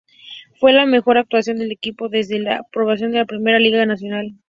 Fue la mejor actuación del equipo desde la aprobación de la Primera Liga Nacional.